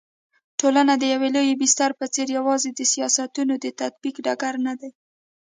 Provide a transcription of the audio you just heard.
ټولنه د يوه لوی بستر په څېر يوازي د سياستونو د تطبيق ډګر ندی